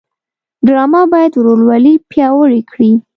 ډرامه باید ورورولي پیاوړې کړي